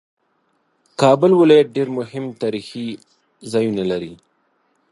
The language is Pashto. کابل ولایت ډېر مهم تاریخي ځایونه لري